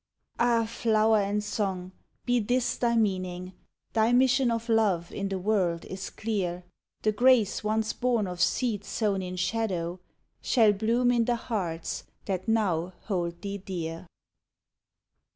Ah! flower and song, be this thy meaning, Thy mission of love in the world is clear; The grace once born of seed sown in shadow Shall bloom in the hearts that now hold thee dear!